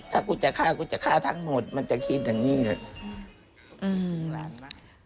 ถ้ากูจะฆ่ากูจะฆ่าทั้งหมดมันจะคิดอย่างนี้ไง